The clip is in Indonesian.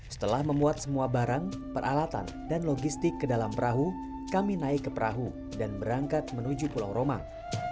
setelah memuat semua barang peralatan dan logistik ke dalam perahu kami naik ke perahu dan berangkat menuju pulau romang